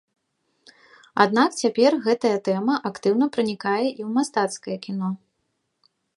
Аднак цяпер гэтая тэма актыўна пранікае і ў мастацкае кіно.